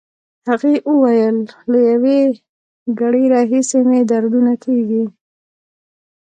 هغې وویل: له یو ګړی راهیسې مې دردونه کېږي.